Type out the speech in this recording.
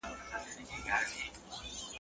o د چلم سر، د پلو پاى.